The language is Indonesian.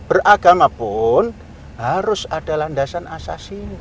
beragama pun harus ada landasan asasi